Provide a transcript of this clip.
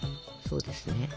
そうですね。